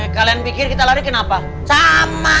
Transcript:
kalian pikir kita lari kenapa sama